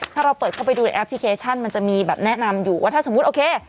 ถ้าเราเปิดเข้าไปดูในแอปพลิเคชันมันจะมีแบบแนะนำอยู่ว่าถ้าสมมุติโอเค